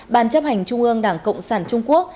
ban chấp hành trung ương đảng cộng sản trung quốc